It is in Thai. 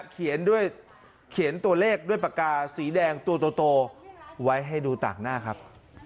เขียนตัวเลขด้วยปากกาสีแดงตัวไว้ให้ดูตากหน้าครับ